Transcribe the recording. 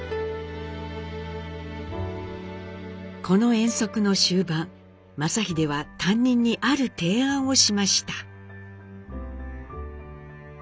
この遠足の終盤正英は担任に「ある提案」をしました。